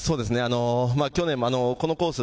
去年もこのコース